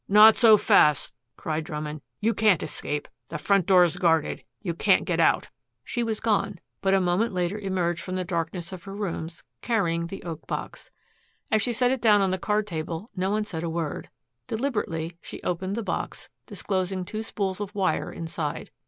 "Not so fast," cried Drummond. "You can't escape. The front door is guarded. You can't get out." She was gone, but a moment later emerged from the darkness of her rooms, carrying the oak box. As she set it down on the card table, no one said a word. Deliberately she opened the box, disclosing two spools of wire inside.